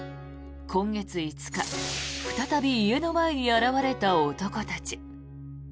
今月５日再び家の前に現れた男たち。